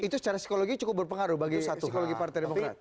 itu secara psikologi cukup berpengaruh bagi ustadz psikologi partai demokrat